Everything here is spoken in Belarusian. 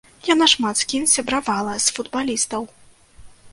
Яна шмат з кім сябравала з футбалістаў.